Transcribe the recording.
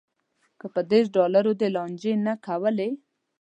که په دېرش ډالرو دې لانجې نه کولی.